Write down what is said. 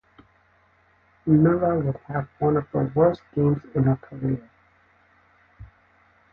Miller would have one of the worst games in her career.